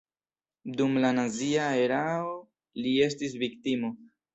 Dum la nazia erao li estis viktimo.